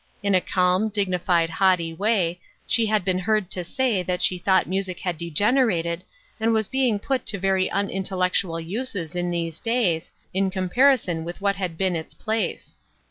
In a calm, dignified, haughty way, she had been heard to say that she thought music had degenerated, and was being put to very unintellectual uses in these days, in comparison with what had been its place.